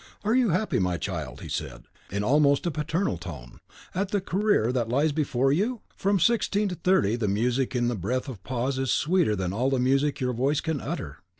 "Are you happy, my child," he said, in almost a paternal tone, "at the career that lies before you? From sixteen to thirty, the music in the breath of applause is sweeter than all the music your voice can utter!"